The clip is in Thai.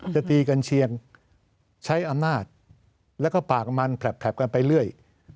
ตีกันเชียงใช้อำนาจแล้วก็ปากมันแผลบกันไปเรื่อย